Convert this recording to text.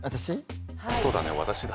そうだね私だ。